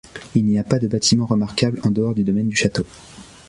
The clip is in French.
Il n'y a pas de bâtiments remarquables en dehors du domaine du château.